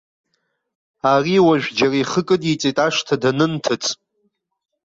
Ари уажә џьара ихы кыдиҵеит, ашҭа данынҭыҵ.